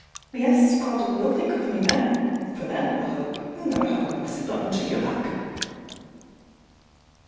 Yes, Caudle, you'll think of me, then; for then, I hope, you'll never have a blessed button to your back.